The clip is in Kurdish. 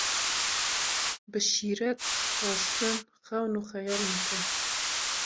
Bi şîret, xwestin, xewn û xeyalên xwe